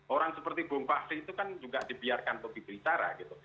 orang seperti bung fahri itu kan juga dibiarkan untuk diberitara gitu